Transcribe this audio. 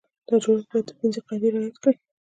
دا جوړښت باید دا پنځه قاعدې رعایت کړي.